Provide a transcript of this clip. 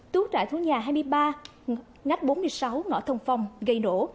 tuốt trại thuốc nhà hai mươi ba ngách bốn mươi sáu ngõ thông phong gây nổ